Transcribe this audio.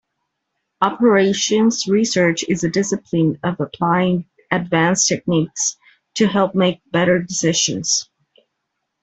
Operations research is a discipline of applying advanced techniques to help make better decisions.